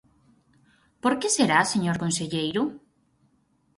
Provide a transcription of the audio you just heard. ¿Por que será, señor conselleiro?